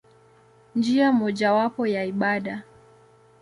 Njia mojawapo ya ibada.